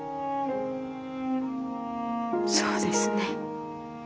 そうですね。